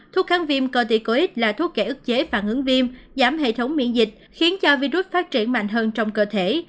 thuốc kháng viêm corticoid là thuốc kệ ức chế phản ứng viêm giảm hệ thống miễn dịch khiến cho virus phát triển mạnh hơn trong cơ thể